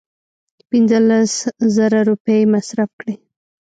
پنځه لس زره روپۍ یې مصرف کړې.